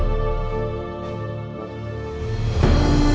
ที่สุดท้าย